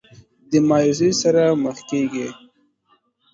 د مايوسۍ سره مخ کيږي